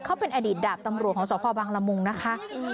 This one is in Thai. เขาเป็นอดีตดาบตำรวจของสพบังละมุงนะคะ